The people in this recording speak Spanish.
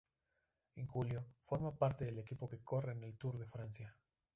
En julio, forma parte del equipo que corre en el Tour de Francia.